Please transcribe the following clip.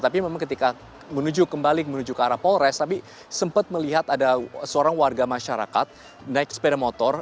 tapi memang ketika menuju kembali menuju ke arah polres tapi sempat melihat ada seorang warga masyarakat naik sepeda motor